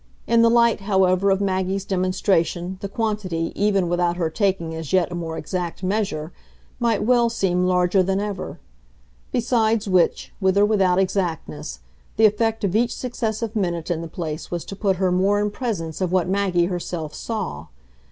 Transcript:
In the light, however, of Maggie's demonstration the quantity, even without her taking as yet a more exact measure, might well seem larger than ever. Besides which, with or without exactness, the effect of each successive minute in the place was to put her more in presence of what Maggie herself saw.